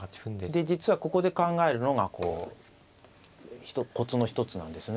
で実はここで考えるのがこうコツの一つなんですね。